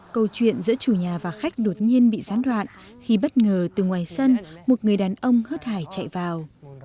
câu chuyện giữa chủ nhà và khách đột nhiên bị gián đoạn khi bất ngờ từ ngoài sân một người đàn ông hớt hải chạy vào